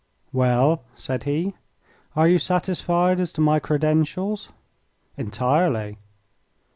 "Well," said he, "are you satisfied as to my credentials?" "Entirely."